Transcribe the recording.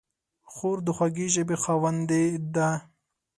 خور د خوږې ژبې خاوندې ده.